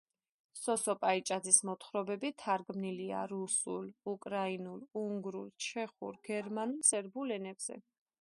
სოსო პაიჭაძის მოთხრობები თარგმნილია რუსულ, უკრაინულ, უნგრულ, ჩეხურ, გერმანულ, სერბულ ენებზე.